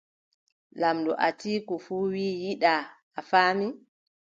Lamɗo Atiiku fuu wii yiɗaa. a faami.